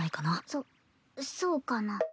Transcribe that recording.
そそうかな？